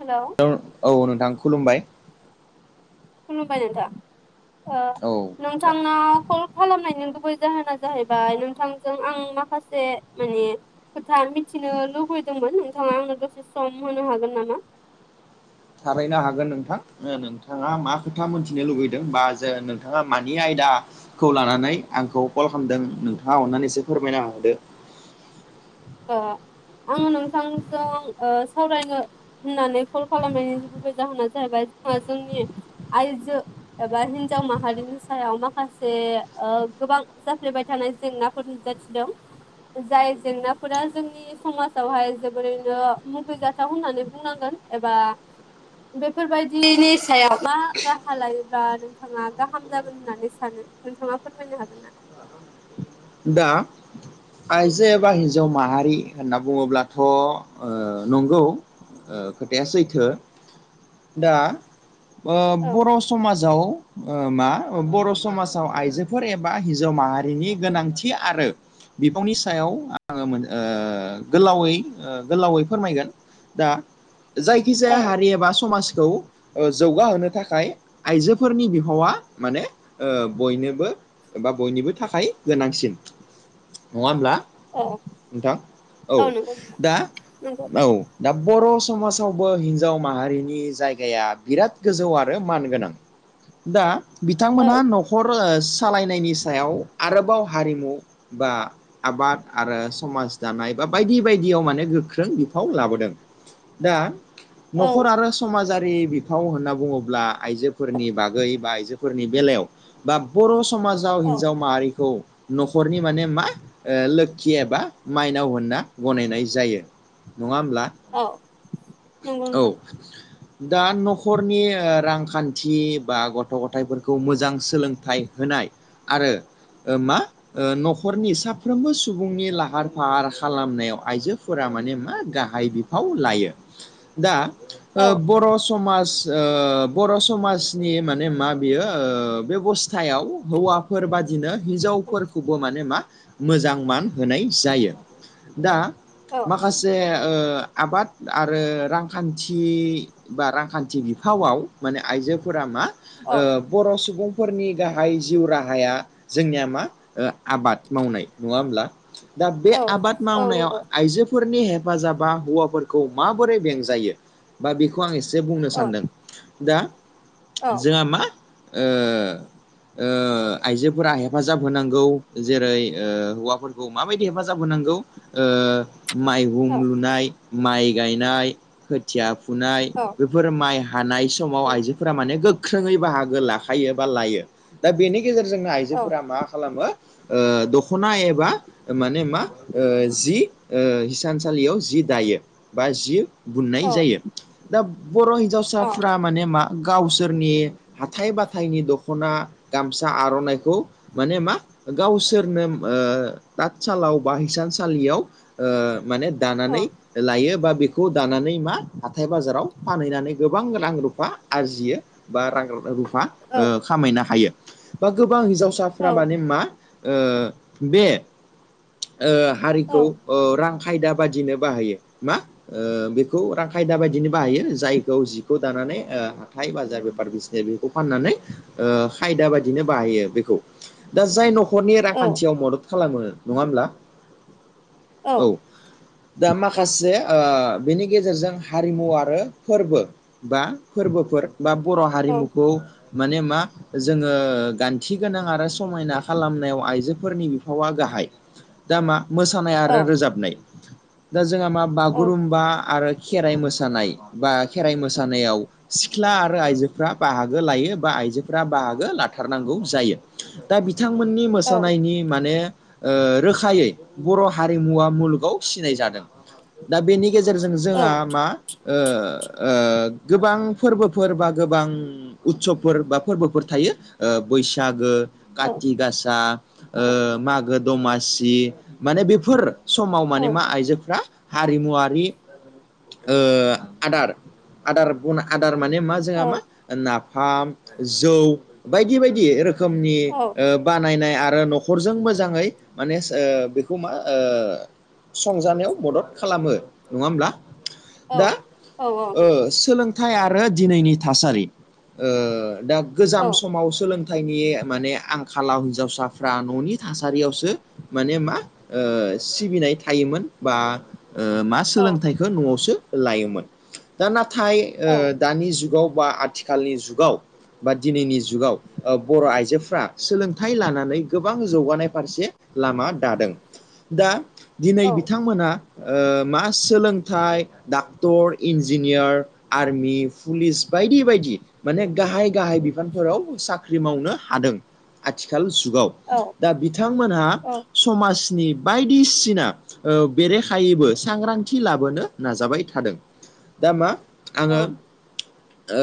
Hello औ औ नोंथां खुलुमबाय। खुलुमबाय नोंथां ओ औ दा नोंथाङाव कल खालामनायनि गुबै जाहोना जाहैबाय नोंथांजों आं माखासे माने खोथा मिथिनो लुबैदोंमोन नोंथाङा आंनो दसे सम होनो हागोन नामा? थारैनो हागोन नोंथां। ओ नोंथाङा मा खोथा मोनथिनो लुुबैदों बा जे नोंथाङा मानि आयदा खौ लानानै आंखौ कल खालामदों नोंथाङा अननानै एसे फोरमायना होदो ओ आङो नोंथांजों ओ सावरायनो होननानै कल खालामनायनि गुबै जाहोना जाहैबाय जोंहा जोंनि आइजो एबा हिनजाव माहारिनि सायाव माखासे ओ गोबां जाफ्लेबाय थानाय जेंना फोर नुजाथिदों जाय जेंना फोरा जोंनि समाजावहाय जोबोरैनो मुगैजाथाव होननानै बुंनांगोन एबा बेफोरबायदिनि सायाव मा राहा लायोब्ला आरो नोंथाङा गाहाम जागोन होननानै सानो नोंथाङा फोरमायनो हागोनना? दा आइजो एबा हिन्जाव माहारि होनना बुङोब्लाथ' ओ नंगौ ओ खोथाया सैथो दा ओ औ बर' समाजाव ओ मा बर' समाजाव आइजोफोर एबा हिन्जाव माहारिनि गोनांथि आरो बिफंनि सायाव आङो ओ गोलावै गोलावै फोरमायगोन दा जायखिजाया औ हारि एबा समाजखौ ओ जौगाहोनो थाखाय आइजोफोरनि बिहावा माने ओ बयनोबो एबा बयनिबो थाखाय गोनांसिन नङा ओमब्ला औ नोंथां औ नंगौ नोंथां दा नंगौ औ दा बर' समाजावबो हिन्जाव माहारिनि जायगाया बिराद गोजौ आरो मान गोनां दा औ बिथांमोनहा नखर सालायनायनि सायाव आरोबाव हारिमु बा आबाद आरो समाज दानाय बा बायदि बायदियाव माने गोख्रों बिफाव लाबोदों। दा नखर औ आरो समाजारि बिफाव होनना बुङोब्ला आइजोफोरनि बागै बा आइजोफोरनि बेलायाव बा बर' समाजाव औ हिन्जाव माहारिखौ नखरनि माने मा लोक्षि एबा माइनाव होनना गनायनाय जायो। नङा होमब्ला औ नंगौ औ दां दा न'खरनि रांखान्थि बा गथ' गथायाइफोरखौ मोजां सोलोंथाइ होनाय आरो मा ओश्रन'खरनि साफ्रोमबो सुबुंनि लाहार फाहार खालामनायाव आइजोफोरा माने मा गाहाय बिफोर फाल लायो दा औ ओ बर' समाज ओ बर' समाजनि माने मा बियो बेबस्थायाव हौवा फोर बादिनो हिजाव फोरखौबो माने मा मोजां मान होनाय जायो। दा औ माखासे आबाद आरो रांखान्थि बा रांखान्थि बिफावआव माने आइजोफोरा मा औ ओ बर' सुबुंफोरनि गाहाय जिउ राहाया जोंनिया मा ओ आबाद मावनाय नङा होमब्ला दा बे औ आबाद मावनायाव नंगौ औ आइजो फोरनि हेफाजाबा हौवाफोरखौ माबोरै बेंजायो बा बेखौ आं एसे बुंनो सानदों दा औ जोंहा मा ओ ओ आइजोफोरा हेफाजाब होनांगौ औ जेरै ओ हौवाफोरखौ माबायदि हेफाजाब होनांगौ ओ माइहुं लुनाय माइ गायनाय खोथिया फुनाय औ बेफोर माइ हानाय समाव आइजोफोरा माने गोख्रोङै बाहागो लाखायो बा लायो दा बेनि गेजेरजोंनो औ आइजोफोरा मा खालामो ओ दख'ना एबा माने मा ओ जि ओ हिसानसालियाव जि दायो बा जि औ बुनाय जायो दा बर' हिन्जावसाफ्रा माने मा गावसोरनि हाथाय बाथथायनि दख'ना गामसा आर'नाइखौ माने मा गावसोरनो ओ ततसालाव बा हिसानसालियाव माने दानानै लायो बा बेखौ दानानै मा हाथाय बाजाराव फानहैनानै गोबां रां रुफा आरजियो बा रां रुफा खामायनो हायो। बा गोबां हिन्जावसाफ्रा माने मा ओ बे ओ हारिखौ ओ रां खायदा बादिनो बाहायो। मा ओ बेखौ रां खायदा बायदिनो बाहायो जायखौ जिखौ दानानै ओ हाथाय बाजार बेफार बिसिनि बेखौ फाननानै खायदा बायदिनो बाहायो बेखौ दा जाय न'खर न'खरनि रांखान्थियाव मदद खालामो नङा होमब्ला औ दा माखासे बेनि गेजेरजों हारिमु आरो फोरबो बा फोरबोफोर बा बर' हारिमुखौ माने मा जोंङो गान्थि गोनां आरो समायना खालामनायाव आइजोफोरनि बिफावा गाहाय। दा मा मोसानाय औ आरो रोजाबनाय दा जोंहा मा औ बागुरुम्बा आरो खेराइ मोसानाय बा खेराइ मोसानायाव सिख्ला आरो आइजोफ्रा बाहागो लायो बा आइजोफोरा बाहागो लाथारनांगौ जायो। दा बिथांमोननि औ मोसानायनि माने रोखायै बर' हारिमुवा मुलुगाव फिसिनाय जादों। दा बेनि गेजेरजों जोंहा औ मा ओ ओ गोबां फोरबोफोर बा गोबां उत्सबफोर बा फोरबोफोर थायो ओ बैसागो औ काति गासा औ ओ मागो दमासि माने बेफोर समाव माने मा औ आइजोफ्रा हारिमुवारि ओ आदार आदार बना आदार माने मा जोंहा मा औ नाफाम जौ बायदि बायदि रोखोमनि औ ओ बानायनाय आरो न'खरजों मोजाङै माने सो ओ बेखौ मा ओ संजानायाव मदद खालामो नङा होमब्ला दा औ औ नंगौ ओ सोलों थाय आरो दिनैनि थासारि ओ दा गोजाम औ समाव सोलों थायनि माने आंखालाव हिनजावसाफ्रा न'नि थासारियावसो माने मा ओ सिबिनाय थायोमोन बा ओ मा औ सोलोंथाइखौ न'आवसो लायोमोन दा नाथाय औ ओ दानि जुगाव बा आथि खालनि जुगाव बा दिनैनि जुगाव ओ बर' आइजोफ्रा सोलोंथाइ लानानै गोबां जौगानाय फारसे लामा दादों दा दिनै औ बिथांमोना ओ मा सोलोंथाइ डाक्टर इन्जिनियार आर्मि पुलिस बायदि बायदि। माने गाहाय गाहाय बिफानफोराव साख्रि मावनो हादों। आथिखाल जुगाव दा बिथांमोनहा औ औ समाजनि बायदिसिना ओ बेरेखायैबो सांग्रांथि लाबोनो नाजाबाय थादों दा मा आङो ओ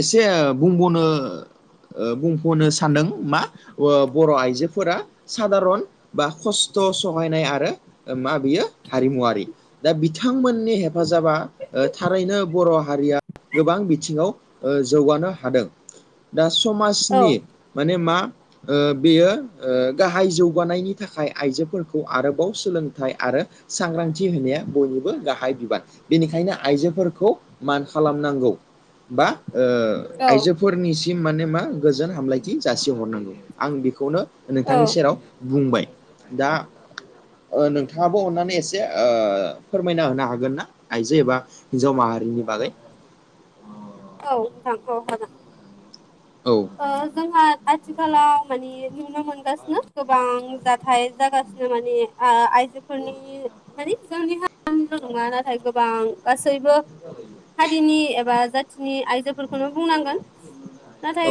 एसे बुंब'नो ओ बुंफ'नो सानदों मा अ बर' आइजोफोरा सादारन बा खस्थ' सहायनाय आरो मा बियो हारिमुवारि दा बिथांमोननि हेफाजाबा ओ थारैनो बर' हारिया गोबां बिथिङाव ओ जौगानो हादों दा समाजनि माने मा ओ बेयो ओ गाहाय जौगानायनि थाखाय आइजोफोरखौ आरोबाव सोलोंथाइ आरो सांग्रांथि होनाया बयनिबो गाहाय बिबान। बेनिखायनो आइजोफोरखौ मान खालामनांगौ बा ओ आइजोफोरनिसिम माने मा गोजोन हामलायथि जासिहरनांगौ आं बेखौनो औ नोंथांनि नोंथां सेराव बुंबाय दा ओ नोंथाङाबो अननानै एसे ओ फोरमायना होनो हागोन ना आइजो एबा हिन्जाव माहारिनि बागै औ नोंथां औ हागोन। औ। ओ जोंहा आथिखालाव मानि नुनो मोनगासिनो गोबां जाथाय जागासिनो माने ओ आइजोफोरनि मानि जोंनि हारिनिल' नङा नाथाय गोबां गासैबो हारिनि एबा जाथिनि आइजोफोरखौनो बुंनांगोन।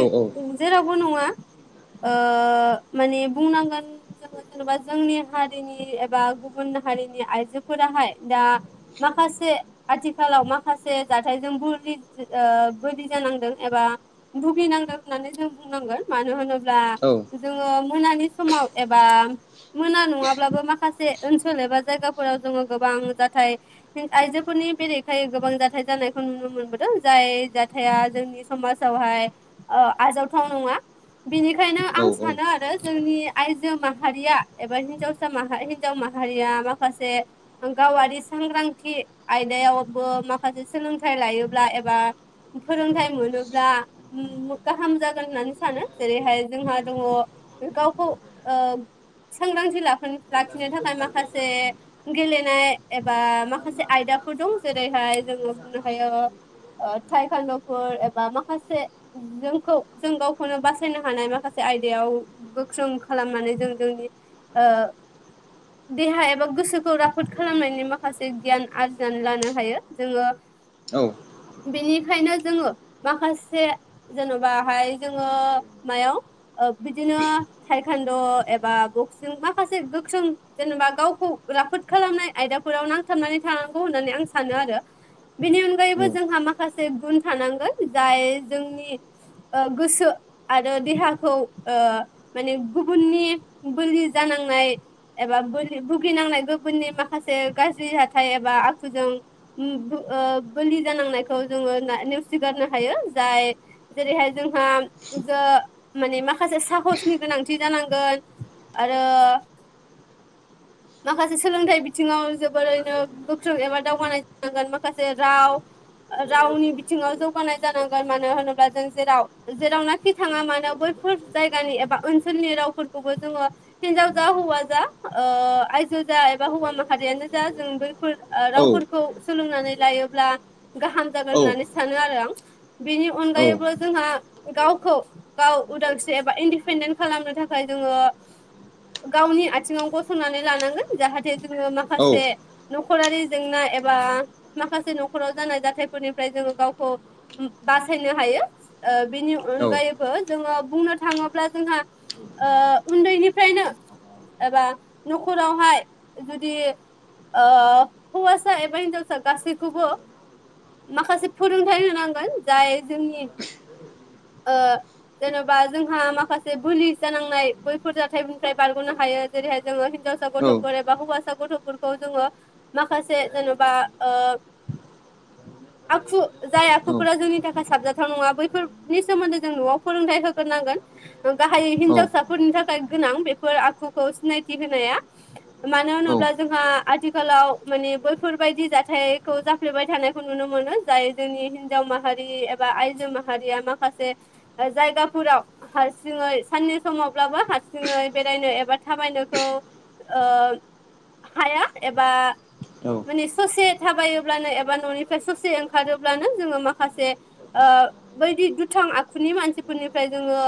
औ औ जेरावबो नङा ओ माने बुंनांगोन [unintelligible] जेनेबा जोंनि हारिनि एबा गुबुन हारिनि आइजोफोराहाय दा माखासे आथिखालाव माखासे जाथायजों बुलि ओ बोलि जानांदों एबा भुगिनांदों। होननानै जों बुंनांगोन मानो होनोब्ला औ जोङो मोनानि समाव एबा मोना नङाब्लाबो माखासे ओनसोल एबा जायगाफोराव जोङो गोबां जाथाय। आइजोफोरनि बेरेखायै गोबां जाथाय जानायखौ नुनो मोनबोदों जाय जाथाया जोंनि समाजावहाय ओ आजावथाव नङा बिनिखायनो औ आं सानो आरो जोंनि आइजो माहारिया एबा हिन्जावसा माहा हिनजाव माहारिया माखासे गावारि सांग्रांथि आयदायावबो माखासे सोलोंथाइ लायोब्ला एबा फोरोंथाइ मोनोब्ला [unintelligible] गाहाम जागोन होननानै सानो जेरैहाय जोंहा दङ गावखौ ओ सांग्रांथि ला लाखिनो थाखाय माखासे गेलेनाय एबा माखासे आयदाफोर दं। जेरैहाय जोङो बुंनो हायो ओ टायकाण्डफोर बा माखासे जों खौ जों गावखौनो बासायनो हानाय माखासे आयदायाव गोख्रों खालामनानै जों जोंनि ओ देहा एबा गोसोखौ रा फोद खालामनायनि माखासे गियान आरजिनानै लानो हायो जोङो औ। बेनिखायनो जोङो माखासे जेन' बा हाय जोङो मायाव ओ बिदिनो ताइक्वानड' एबा माखासे गोख्रों जेनेबा गावखौ राफोद खालामनाय आयदाफोराव नांथाबनानै थानांगौ होननानै आं सा सानो आरो बेनि अनगायैबो औ जोंहा माखासे गुन थानांगोन जाय जोंनि ओ गोसो आरो देहाखौ ओ माने गुबुननि बोलि जानांनाय एबा बोलि बुगिनांनाय गुबुननि माखासे गाज्रि जााथथाय एबा आखुजों बोलि जानांनायखौ जोङो नेवसिगारनो हायो जाय जेरैहाय जोंहा गो माने माखासे साहसनि गोनांथि जानांगोन आरो माखासे सोलोंथाइ बिथिङाव जोबोरैनो गोख्रों एबा दावगानाय जानांगोन माखासे राव रावनि बिथिङाव जौगानाय जानांगोन मानो होनो बा जों जेराव जेरावनाखि थाङा मानो बैफोर जायगानि एबा ओनसोलनि रावफोरखौबो जोङो हिनजाव जा हौवा जा आयजो जा एबा हौवा माहारियानो जा जों बैफोर ओ औ रावफोरखौ सोलोंनानै लायोब्ला गाहाम औ जागोन होननानै सानो आरो आं बिनि अनगायैबो जोंहा गावखौ गाव उदांस्रि एबा इन्दिपेन्देन्ट खालामनो थाखाय जोङो गावनि आथिङाव गसंनानै लानांगोन जाहाथे जोङो माखासे न'खरारि जेंना एबा माखासे न'खराव जानाय जाथायफोरनिफ्राय जोङो गावखौ बासायनो हायो ओ बेनि अनगायैबो जोङो बुंनो थाङोब्ला जोंहा ओ उन्दैनिफ्रायनो एबा न'खरावहाय जुदि ओ हौवासा एबा हिनजावसा गासैखौबो माखासे फोरोंथाइ होनांगोन जाय जोंनि ओ जेन'बा जोंहा माखासे बोलि जानांनाय बैफोर जाथायनिफ्राय बारग'नो हायो जेरैहाय जोङो हिनजाव सा गथ'फोर एबा हौवासा गथ'फोरखौ जोङो माखासे जेन'बा ओ आखु जाय आखुफोरा जोंनि था साबजाथाव नङा बैफोरनि सोमोन्दै जों न'आव फोरोंथाइ होग्रोनांगोन गाहाय हिनजावसाफोरनि थाखाय गोनां बेफोर आखुखौ सिनायथि होनाया मानो होनोब्ला जोंहा आथिखालाव माने बैफोरबायदि जाथायखौ जा फैबाय थानायखौ नुनो मोनो जाय जोंनि हिनजाव माहारि एबा आइजो माहारिया माखासे जायगाफोराव हारसिङै साननि समावब्लाबो हारसिङै बेरायनो एबा थाबायनोखौ हाया एबा औ माने ससे थाबायोब्लानो एबा न'निफ्राय ससे ओंखारोब्लानो जोङो मा माखासे बायदि दुथां आखुनि मानसिफोरनिफ्राय जोङो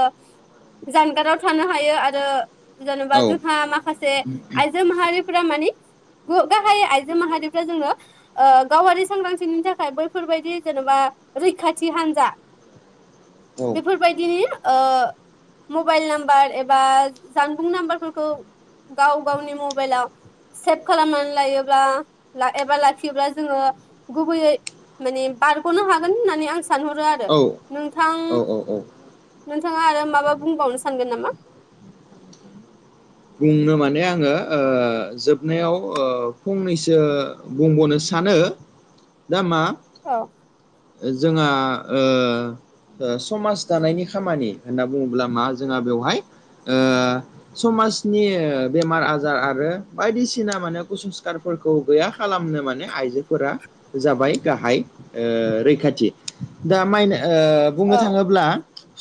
जानगाराव थानो हायो आरो जेनेबा जोंहा माखासे आइजो मा माहारिफ्रा माने गाहाय आइजो माहारिफ्रा जोङो ओ गावारि सांग्रांथिनि थाखाय बैफोरबायदि जेनेबा रैखाथि हान्जा औ बेफोरबायदिनि ओ मबाइल नाम्बार एबा जानबुं नाम्बारफोरखौ गाव गावनि मबाइलआव सेभ खालामनानै लायोब्ला एबा ला लाखियोब्ला जोङो गुबैयै माने बारग'नो हागोन होननानै आं सानहरो आरो औ नोंथां औ नोंथाङा आरो माबा बुंबावनो सानगोन नामा? बुंनो माने आङो ओ जोबनायाव फंनैसो बुंबावनो सानो दा मा औ जोंहा ओ समाज दानायनि खामानि होनना बुङोब्ला मा जोंहा बेवहाय ओ समाज नि बेमार आजार आरो बायदिसिना माने कुसंस्कारफोरखौ गैया खालामनो माने आइजोफोरा जाबाय गाहाय ओ रैखाथि दा माइ ओ- बुंनो औ थाङोब्ला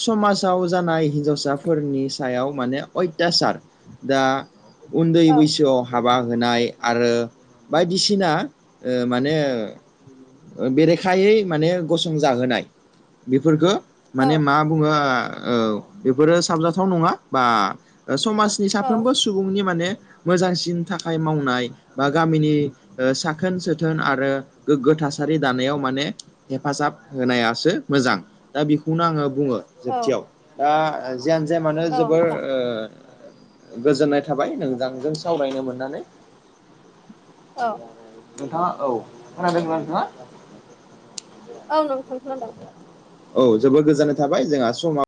समाजाव जानाय हिन्जावसाफोरनि सायाव माने अयथासार दा उन्दै औ बैसोआव हाबा होनाय आरो बायदिसिना ओ माने बेरेखायै माने गसं जाहोनाय बेफोरफोरखो। औ माने मा बुङो ओ औ बेफोरो साबजाथाव नङा बा समाज नि औ साफ्रोमबो सुबुंनि माने मोजांसिन थाखाय मावनाय बा गामिनि ओ-साखोन सोथोन आरो गोग्गो थासारि दानायाव माने हेफाजाब होनायासो मोजां दा बेखौनो आङो बुङो। औ जोबथियाव दा जियानो जाया मानो औ जोबोर नोंथां ओ - गोजोननाय थाबाय नोंजांजों सावरायनो मोननानै। औ नोंथाङा औ खोनादोंना नोंथाङा? औ नोंथां खोनादों औ जोबोद गोजोननाय थाबाय जोंहा समा